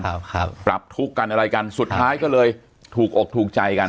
ครับครับปรับทุกข์กันอะไรกันสุดท้ายก็เลยถูกอกถูกใจกัน